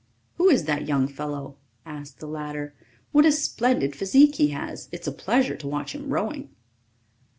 "Who is that young fellow?" asked the latter. "What a splendid physique he has! It's a pleasure to watch him rowing."